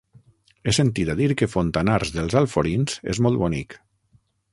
He sentit a dir que Fontanars dels Alforins és molt bonic.